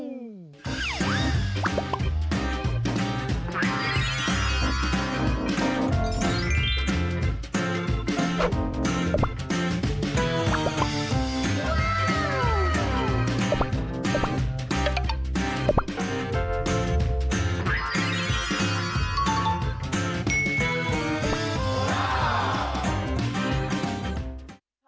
แสบใจ